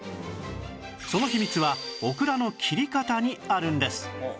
その秘密はオクラの切り方にあるんです